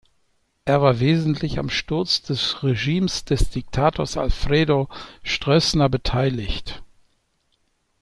Er war wesentlich am Sturz des Regimes des Diktators Alfredo Stroessner beteiligt.